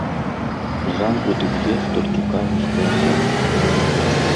Зранку ты п'еш толькі каву з круасанам.